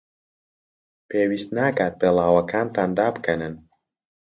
پێویست ناکات پێڵاوەکانتان دابکەنن.